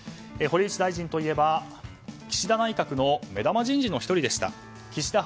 堀内大臣といえば岸田内閣の目玉人事の１人でした。